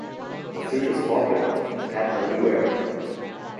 The food is popular in Kathmandu area.